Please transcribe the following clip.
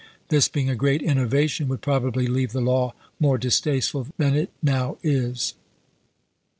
This, being a great innova tion, would probably leave the law more distasteful than it now is.